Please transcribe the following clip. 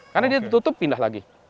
karena dia ditutup pindah lagi